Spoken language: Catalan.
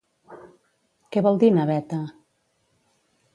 Què vol dir naveta?